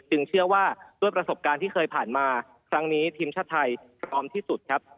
เชื่อว่าด้วยประสบการณ์ที่เคยผ่านมาครั้งนี้ทีมชาติไทยพร้อมที่สุดครับ